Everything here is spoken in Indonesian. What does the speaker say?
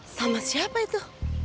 sama siapa itu